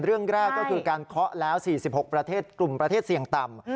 เรื่องแรกก็คือการเคาะแล้ว๔๖ประเทศกลุ่มประเทศเสี่ยงต่ำ